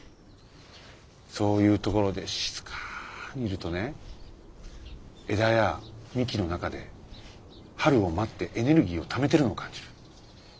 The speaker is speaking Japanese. そういうところで静かにいるとね枝や幹の中で春を待ってエネルギーをためてるのを感じる。